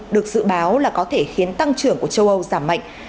được dự báo là có thể khiến tăng trưởng của châu âu giảm mạnh